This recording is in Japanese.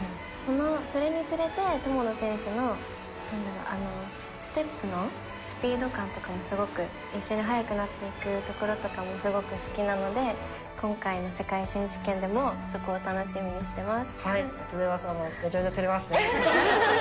それにつれて友野選手のステップのスピード感とかもすごく、一緒に速くなっていくところとかもすごく好きなので今回の世界選手権でもそこを楽しみにしています。